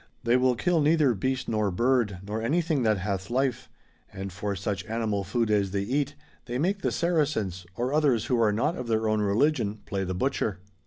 They will kill neither beast nor bird, nor any thing that hath life ; and for such animal food as they eat, they make the Saracens, or others who are not of their own religion, j)lay the butcher.